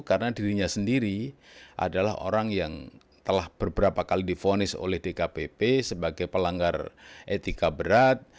karena dirinya sendiri adalah orang yang telah beberapa kali difonis oleh dkpp sebagai pelanggar etika berat